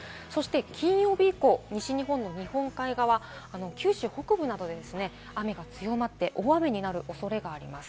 金曜日以降、西日本の日本海側、九州北部などで雨が強まって大雨になる恐れがあります。